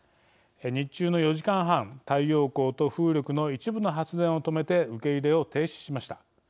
日中の４時間半太陽光と風力の一部の発電を止めて受け入れを停止しました。